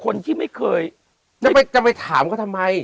คนที่ไม่เคยจะไปถามเขาทำไม